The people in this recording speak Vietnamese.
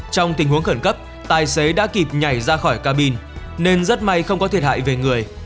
trong tình huống khẩn cấp tài xế đã kịp nhảy ra khỏi cabin nên rất may không có thiệt hại về người